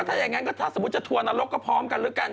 ถ้าอย่างนั้นก็ถ้าสมมุติจะทัวร์นรกก็พร้อมกันแล้วกัน